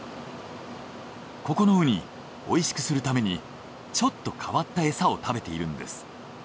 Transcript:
ここのウニおいしくするためにちょっと変わったエサを食べているんです。